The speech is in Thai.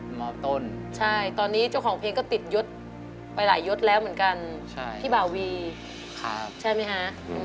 หมอต้นใช่ตอนนี้เจ้าของเพลงก็ติดยศไปหลายยศแล้วเหมือนกันพี่บ่าวีใช่ไหมฮะ